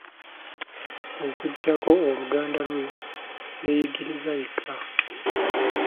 Okuggyako Oluganda lwe yeeyigiriza yekka.